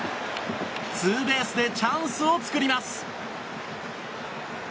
ツーベースでチャンスを作ります。